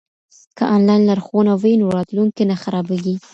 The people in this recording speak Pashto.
که انلاین لارښوونه وي نو راتلونکی نه خرابیږي.